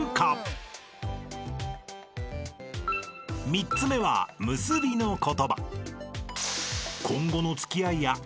［３つ目は結びの言葉］